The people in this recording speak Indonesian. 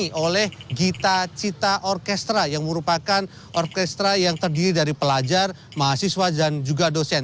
ini oleh gita cita orkestra yang merupakan orkestra yang terdiri dari pelajar mahasiswa dan juga dosen